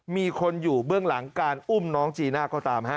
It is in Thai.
มีคนอยู่เบื้องหลังการอุ้มน้องจีน่าก็ตามฮะ